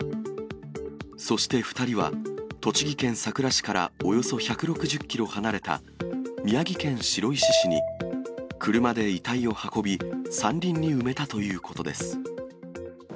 そして２人は、栃木県さくら市からおよそ１６０キロ離れた、宮城県白石市に、車で遺体を運び、山林に埋めたということです。